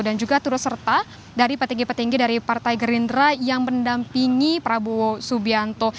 dan juga terus serta dari petinggi petinggi dari partai gerindra yang mendampingi prabowo subianto